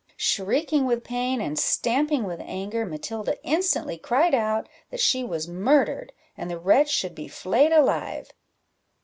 Shrieking with pain, and stamping with anger, Matilda instantly cried out that she was murdered, and the wretch should be flayed alive.